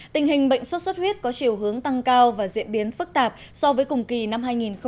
tình hình bệnh sốt xuất huyết có chiều hướng tăng cao và diễn biến phức tạp so với cùng kỳ năm hai nghìn một mươi chín